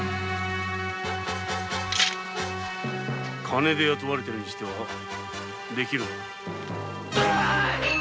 金で雇われたにしてはできるな。